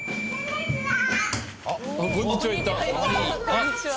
「こんにちは」